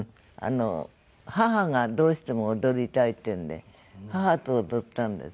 母が「どうしても踊りたい」って言うんで母と踊ったんです。